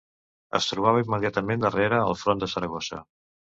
Es trobava immediatament darrere el front de Saragossa.